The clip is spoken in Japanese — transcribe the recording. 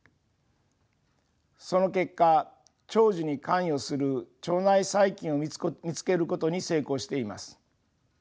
その結果長寿に関与する腸内細菌を見つけることに成功しています。